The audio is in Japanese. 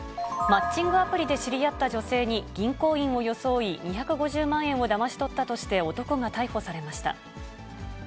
マッチングアプリで知り合った女性に銀行員を装い、２５０万円をだまし取ったとして、男が逮捕されました。